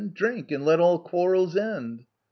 Drink, and let all quarrels end !